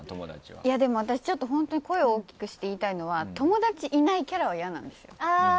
私、声を大きくして言いたいのは友達いないキャラはいやなんです。